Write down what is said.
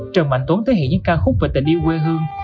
trần mạnh tuấn thể hiện những ca khúc về tình yêu quê hương